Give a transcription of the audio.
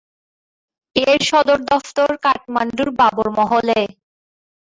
এর সদর দফতর কাঠমান্ডুর বাবরমহলে।